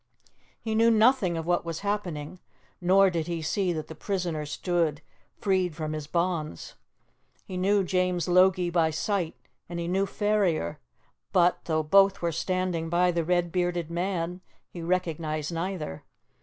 He knew nothing of what was happening, nor did he see that the prisoner stood freed from his bonds. He knew James Logie by sight, and he knew Ferrier, but, though both were standing by the red bearded man, he recognized neither.